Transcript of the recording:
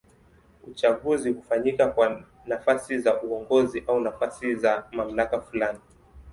Uchaguzi hufanyika kwa nafasi za uongozi au nafasi za mamlaka fulani.